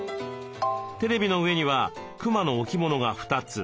テレビの上にはクマの置物が２つ。